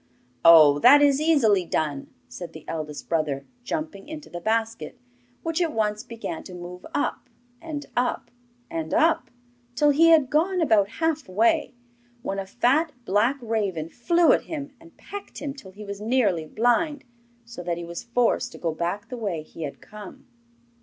'Oh, that is easily done,' said the eldest brother, jumping into the basket, which at once began to move up, and up, and up till he had gone about half way, when a fat black raven flew at him and pecked him till he was nearly blind, so that he was forced to go back the way he had come.